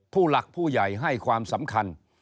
ผู้หลักผู้ใหญ่ให้ความสำคัญ